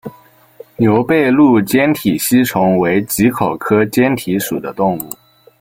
牛背鹭坚体吸虫为棘口科坚体属的动物。